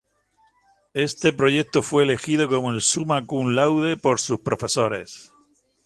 Este proyecto fue elegido como el "summa cum laude" por sus profesores.